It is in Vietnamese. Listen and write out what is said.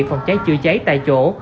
phòng cháy chữa cháy tại chỗ